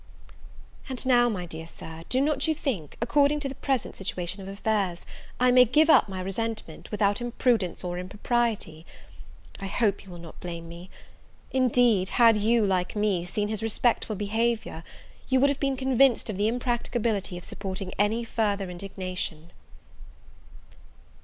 And now, my dear Sir, do not you think, according to the present situation of affairs, I may give up my resentment, without imprudence or impropriety? I hope you will not blame me. Indeed, had you, like me, seen his respectful behaviour, you would have been convinced of the impracticability of supporting any further indignation.